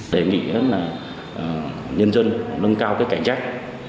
đề nghị nhân dân nâng cao cảnh giác